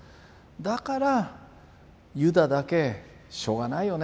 だからユダだけしょうがないよね